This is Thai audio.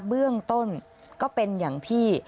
เบื้องต้นก็เป็นอย่างพี่